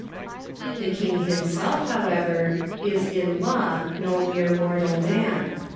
The King himself, however, is in law no mere mortal man.